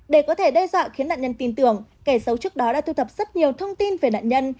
để có thể đe dọa khiến nạn nhân tin tưởng kẻ xấu trước đó đã thu thập rất nhiều thông tin về nạn nhân